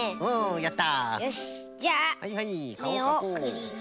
やった！